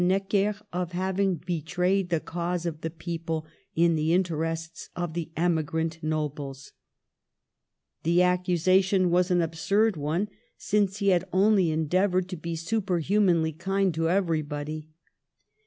Necker of having be trayed the cause of the people in the interests of the emigrant nobles. The accusation was an absurd one, since he had only endeavored to Digitized by VjOOQIC 54 MADAME DE STAML be superhuraanly kind to everybody.